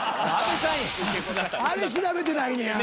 あれ調べてないねや。